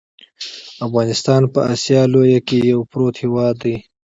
افغانستان په اسیا لویه کې یو پروت هیواد دی .